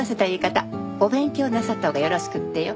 お勉強なさったほうがよろしくってよ。